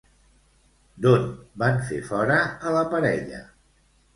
D'on van fer fora a la parella?